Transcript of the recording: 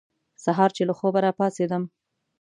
سهار چې له خوبه را پاڅېدم.